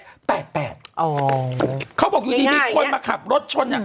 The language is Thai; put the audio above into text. อ๋อง่ายเนี่ยเขาบอกมีคนเข้ามาขับรถชน